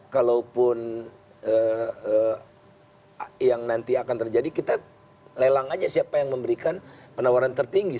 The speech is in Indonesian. kalaupun yang nanti akan terjadi kita lelang aja siapa yang memberikan penawaran tertinggi